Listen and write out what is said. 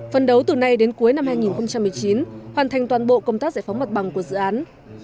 phần đấu từ nay đến cuối năm hai nghìn một mươi chín hoàn thành toàn bộ công tác giải phóng mặt bằng của dự án